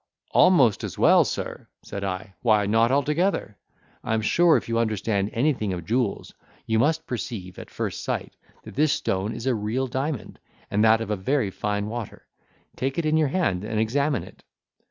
"Almost as well, Sir!" said I, "Why not altogether? I am sure if you understand anything of jewels, you must perceive, at first sight, that this stone is a real diamond, and that of a very fine water. Take it in your hand and examine it."